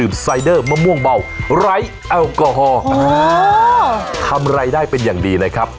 ไม่ม่วงเบาอ๋อทำไรได้เป็นอย่างดีนะครับ